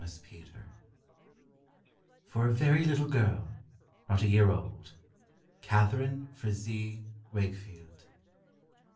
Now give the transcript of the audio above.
Sunshine For a Very Little Girl, Not a Year Old. Catharine Frazee Wakefield.